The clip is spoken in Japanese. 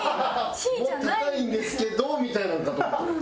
Ｃも高いんですけどみたいなんかと思った。